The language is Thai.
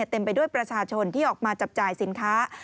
เต็มไปด้วยประชาชนที่ออกมาจับจ่ายสินค้า